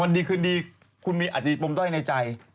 วันดีคืนดีคุณอาจจะมีปมด้อยในใจ